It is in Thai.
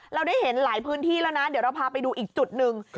เราได้เห็นหลายพื้นที่แล้วนะเดี๋ยวเราพาไปดูอีกจุดหนึ่ง